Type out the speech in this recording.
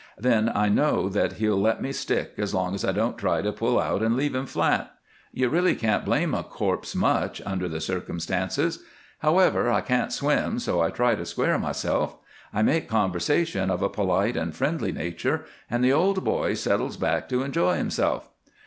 Then I know that he'll let me stick as long as I don't try to pull out and leave him flat. You really can't blame a corpse much under the circumstances. However, I can't swim, so I try to square myself. I make conversation of a polite and friendly nature, and the old boy settles back to enjoy himself.